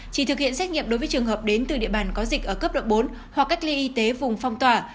chỉ thực hiện xét nghiệm đối với trường hợp đến từ địa bàn có dịch ở cấp độ bốn hoặc cách ly y tế vùng phong tỏa